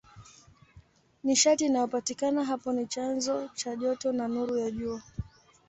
Nishati inayopatikana hapo ni chanzo cha joto na nuru ya Jua.